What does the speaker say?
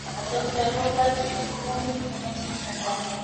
dokta robert mvungi kutoka nchini tanzania